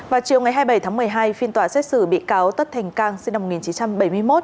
vào chiều ngày hai mươi bảy tháng một mươi hai phiên tòa xét xử bị cáo tất thành cang sinh năm một nghìn chín trăm bảy mươi một